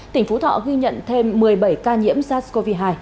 tỉnh phú thọ ghi nhận thêm một mươi bảy ca nhiễm sars cov hai